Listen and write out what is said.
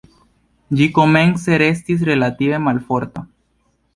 Ĝi komence restis relative malforta.